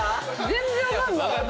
全然分かんない。